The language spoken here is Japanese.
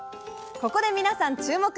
ここで皆さん注目！